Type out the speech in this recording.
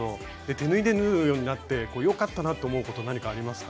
手縫いで縫うようになって良かったなって思うこと何かありますか？